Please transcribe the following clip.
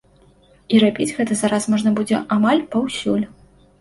І рабіць гэта зараз можна будзе амаль паўсюль.